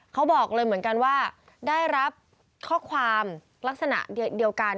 เขาบอกเลยเหมือนกันว่าได้รับข้อความลักษณะเดียวกัน